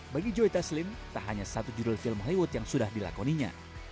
bagi joy taslim tak hanya satu judul film hollywood yang sudah dilakoninya